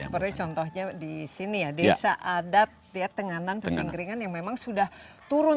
seperti contohnya di sini ya desa adat ya tenganan pesingkringan yang memang sudah turun